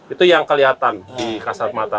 itu yang kelihatan di kasat mata